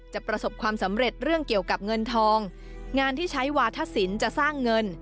ประสบความสำเร็จเรื่องเกี่ยวกับเงินทองงานที่ใช้วาธศิลป์จะสร้างเงิน